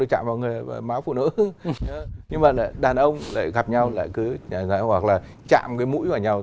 hoặc là chạm cái mũi vào nhau